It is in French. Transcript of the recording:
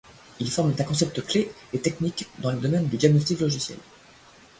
Ils forment un concept clé et technique dans les domaines du diagnostic logiciel.